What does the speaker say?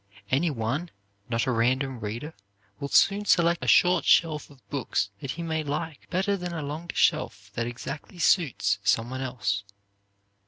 Any one not a random reader will soon select a short shelf of books that he may like better than a longer shelf that exactly suits some one else.